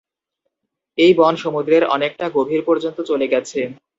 এই বন সমুদ্রের অনেকটা গভীর পর্যন্ত চলে গেছে।